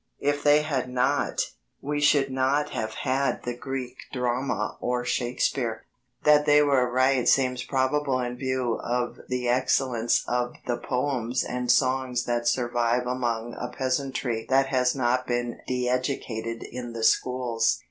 If they had not, we should not have had the Greek drama or Shakespeare. That they were right seems probable in view of the excellence of the poems and songs that survive among a peasantry that has not been de educated in the schools.